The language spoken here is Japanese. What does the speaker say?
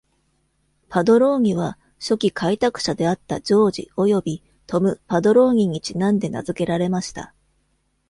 パドローニは、初期開拓者であったジョージ及び、トム・パドローニにちなんで名付けられました。